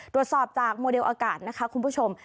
ตรวจสอบจากโมเดลอากาศนะคะคุณผู้ชม